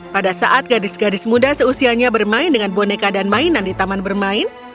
pada saat gadis gadis muda seusianya bermain dengan boneka dan mainan di taman bermain